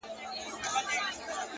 د ساعت دروند ټک د خاموشې کوټې فضا بدلوي